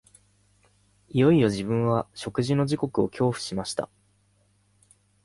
いよいよ自分は食事の時刻を恐怖しました